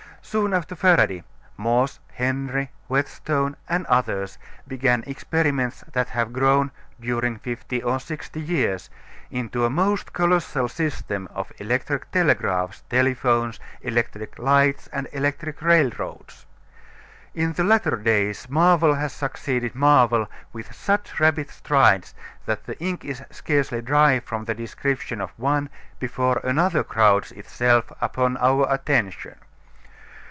Soon after Faraday, Morse, Henry, Wheatstone, and others began experiments that have grown, during fifty or sixty years, into a most colossal system of electric telegraphs, telephones, electric lights and electric railroads. In the latter days marvel has succeeded marvel with such rapid strides that the ink is scarcely dry from the description of one before another crowds itself upon our attention.